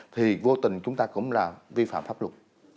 thì vô tình chúng ta cũng là vi phạm pháp luật